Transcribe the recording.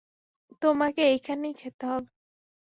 তোমাকে এইখানেই খেতে হবে।